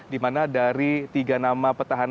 di mana dari tiga nama petahana